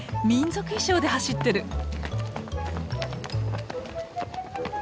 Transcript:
民族衣装で走ってる！